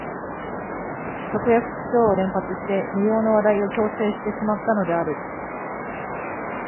直訳口調を連発して無用の笑いを強制してしまったのである